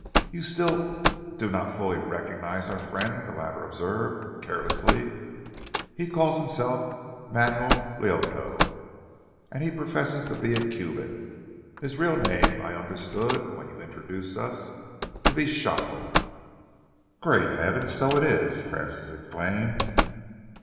"You still do not fully recognise our friend," the latter observed carelessly. "He calls himself Manuel Loito, and he professes to be a Cuban. His real name I understood, when you introduced us, to be Shopland." "Great heavens, so it is!" Francis exclaimed.